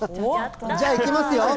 じゃあ、いきますよ。